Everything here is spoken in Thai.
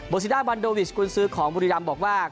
ซิด้าบันโดวิชกุลซื้อของบุรีรำบอกว่า